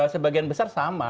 sebagian besar sama